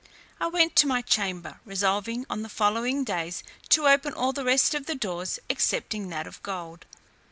I went to my chamber, resolving on the following days to open all the rest of the doors, excepting that of gold.